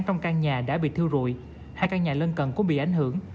trong căn nhà đã bị thiêu rụi hai căn nhà lân cần cũng bị ảnh hưởng